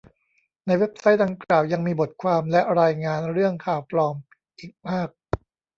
ในเว็บไซต์ดังกล่าวยังมีบทความและรายงานเรื่อง ข่าวปลอม อีกมาก